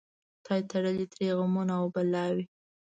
خدای تړلي ترې غمونه او بلاوي